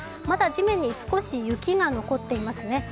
まだ地面に少し雪が残っていますね。